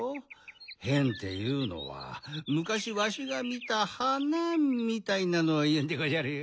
へんっていうのはむかしわしがみた花みたいなのをいうんでごじゃるよ。